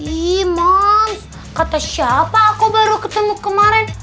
ih moms kata siapa aku baru ketemu kemarin